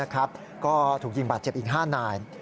ก็ถูกยิงบาดเจ็บอีก๕นาย